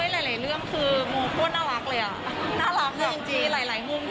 แล้วเรารักเขาจริง